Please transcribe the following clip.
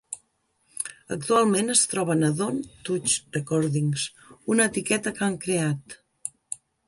Actualment es troben a Don't Touch Recordings, una etiqueta que han creat.